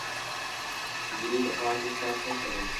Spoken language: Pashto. نجلۍ د پاک احساس نښه ده.